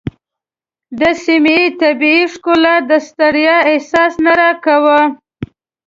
د سیمې طبیعي ښکلا د ستړیا احساس نه راکاوه.